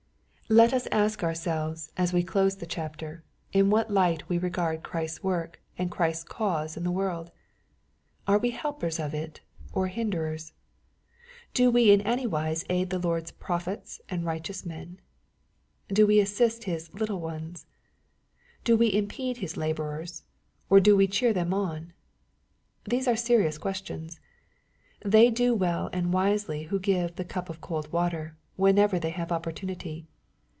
Let us ask ourselves, as we close the chapter, in what light we regard Christ's work and Christ's cause in the world ? Are we helpers of it, or hinderers ? Do we in anywise aid the Lord's " prophets," and " righteous men ?" Do we assist His " little ones ?" Do we impede His laborers, or do we cheer them on ?— These are serious questions. They do well and wisely who give the " cup of cold water," whenever they have opportunity.